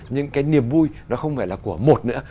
nhưng cái niềm vui nó không phải là của một nữa